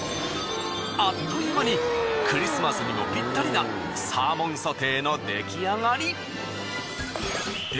あっという間にクリスマスにもピッタリなサーモンソテーの出来上がり。